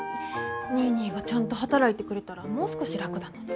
ニーニーがちゃんと働いてくれたらもう少し楽だのに。